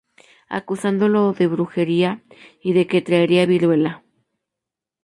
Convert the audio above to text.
Acusándolo de brujería y de que traería viruela.